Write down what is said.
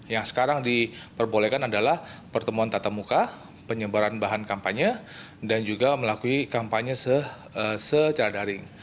yang sekarang diperbolehkan adalah pertemuan tatap muka penyebaran bahan kampanye dan juga melalui kampanye secara daring